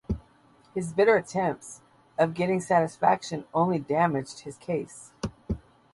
His bitter attempts of getting satisfaction only damaged his case.